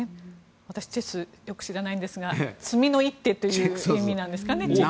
私、チェスはよく知らないんですが詰みの一手という意味なんですかね。